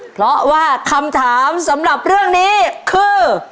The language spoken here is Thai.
เพราะว่าคำถามสำหรับเรื่องนี้คือ